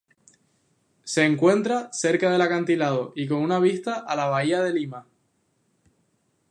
Se encuentra cerca del acantilado y con una vista a la bahía de Lima.